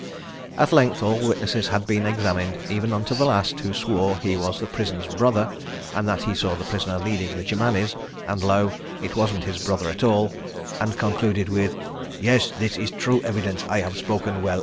At length all witnesses had been examined, even unto the last, who swore he was the prisoner's brother, and that he saw the prisoner leading the Germanis and, lo, it wasn't his brother at all, and concluded with: "Yes—this is true evidence. I have spoken well.